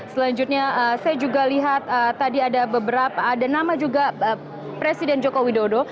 selanjutnya saya juga lihat tadi ada beberapa ada nama juga presiden joko widodo